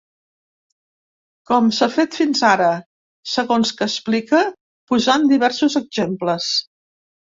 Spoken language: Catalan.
Com s’ha fet fins ara, segons que explica, posant diversos exemples.